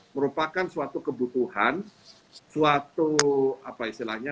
merupakan suatu kebutuhan suatu apa istilahnya